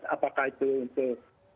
apakah itu untuk